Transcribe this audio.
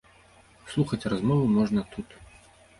Слухаць размову можна тут.